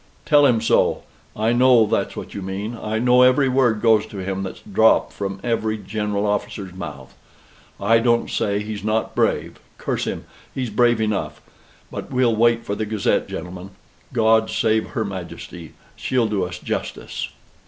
"Tell him so! I know that's what you mean. I know every word goes to him that's dropped from every general officer's mouth. I don't say he's not brave. Curse him! he's brave enough; but we'll wait for the Gazette, gentlemen. God save her Majesty! she'll do us justice."